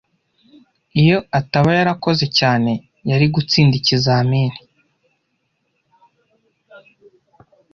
Iyo ataba yarakoze cyane, yari gutsinda ikizamini.